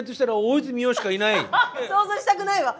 想像したくないわ！